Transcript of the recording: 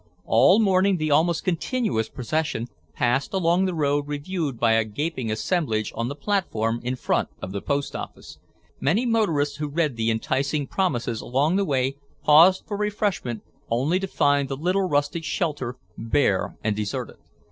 All morning the almost continuous procession passed along the road reviewed by a gaping assemblage on the platform in front of the post office. Many motorists who read the enticing promises along the way paused for refreshment only to find the little rustic shelter bare and deserted.